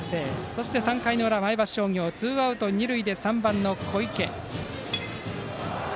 そして３回の裏、前橋商業ツーアウト、二塁で３番の小池。